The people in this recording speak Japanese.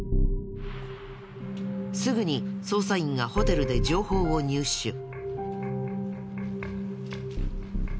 すぐに捜査員がホテルで情報を入手。